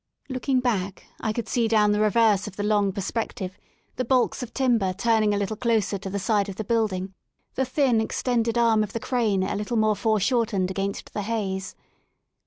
Looking back I could see down the reverse of the long perspec tive the baulks of timber turning a little closer to the side of the building, the thin extended arm of the crane a little more foreshortened against the haze.